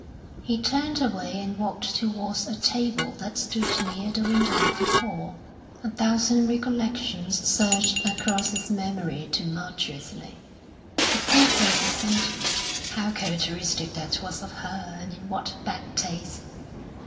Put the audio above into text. He turned away and walked towards a table that stood near the window of the hall. A thousand recollections surged across his memory tumultuously; the paper was scented (how characteristic that was of her, and in what bad taste!)